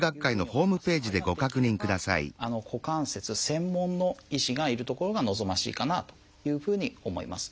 できれば股関節専門の医師がいる所が望ましいかなというふうに思います。